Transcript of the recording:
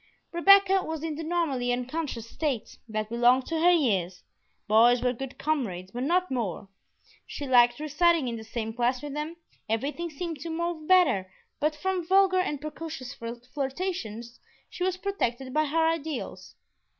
Rebecca was in the normally unconscious state that belonged to her years; boys were good comrades, but no more; she liked reciting in the same class with them, everything seemed to move better; but from vulgar and precocious flirtations she was protected by her ideals.